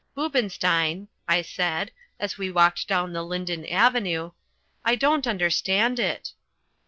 "Boobenstein," I said, as we walked down the Linden Avenue, "I don't understand it."